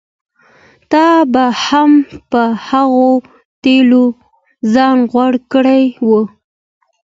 تا به هم په هغو تېلو ځان غوړ کړی و.